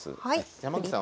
山口さん